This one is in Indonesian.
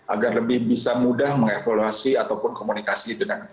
agar lebih bisa mudah mengevaluasi ataupun komunikasi dengan kpu